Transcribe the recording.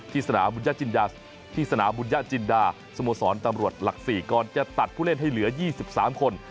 ที่สนาบุญญาจินดาสโมสรตำรวจหลัก๔ก่อนจะตัดผู้เล่นให้เหลือ๒๓คน